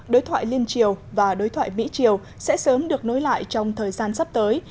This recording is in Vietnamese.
đối thoại liên triều và đối thoại mỹ triều sẽ sớm được nối lại trong thời gian sắp tới